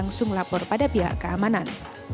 jangan lupa untuk melakukan lapor pada pihak keamanan